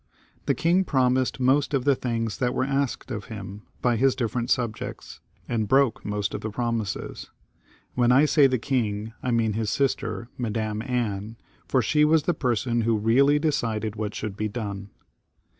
The king promised most of the things that were asked of him by his different subjects, and broke most of the promises. When I say the king, I mean his sister. Madam Anne, for she was the person who really decided what should be done.